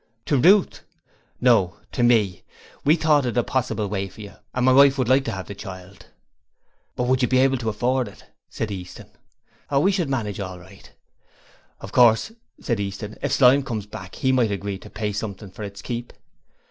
'To Ruth?' 'No: to me. We thought it a possible way for you, and my wife would like to have the child.' 'But would you be able to afford it?' said Easton. 'We should manage all right.' 'Of course,' said Easton, 'if Slyme comes back he might agree to pay something for its keep.'